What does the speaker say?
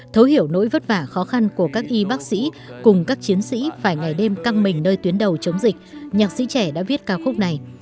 thấu hiểu nỗi vất vả khó khăn của các y bác sĩ cùng các chiến sĩ phải ngày đêm căng mình nơi tuyến đầu chống dịch nhạc sĩ trẻ đã viết ca khúc này